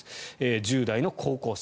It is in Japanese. １０代の高校生。